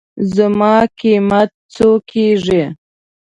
زما قېمت څو کېږي.